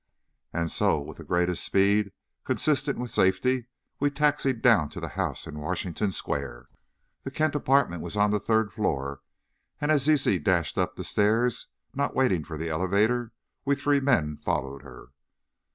And so, with the greatest speed consistent with safety, we taxied down to the house in Washington Square. The Kent apartment was on the third floor, and as Zizi dashed up the stairs, not waiting for the elevator, we three men followed her.